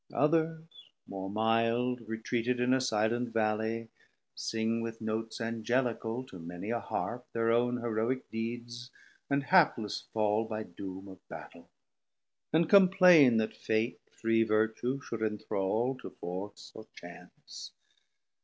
Others more milde, Retreated in a silent valley, sing With notes Angelical to many a Harp Thir own Heroic deeds and hapless fall By doom of Battel; and complain that Fate 550 Free Vertue should enthrall to Force or Chance.